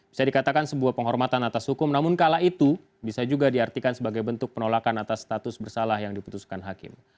bisa dikatakan sebuah penghormatan atas hukum namun kala itu bisa juga diartikan sebagai bentuk penolakan atas status bersalah yang diputuskan hakim